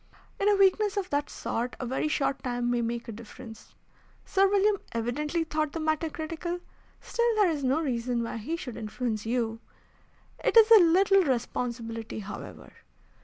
In a weakness of that sort a very short time may make a difference. Sir William evidently thought the matter critical. Still, there is no reason why he should influence you. It is a little responsibility, however.